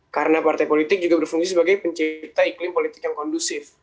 karena partai politik juga berfungsi sebagai pencipta iklim politik yang kondusif